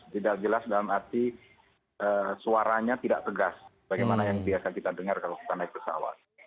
tidak jelas dalam arti suaranya tidak tegas bagaimana yang biasa kita dengar kalau kita naik pesawat